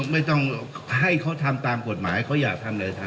ไม่ต้องให้เขาทำตามกฎหมายเขาอยากทำอะไรทำ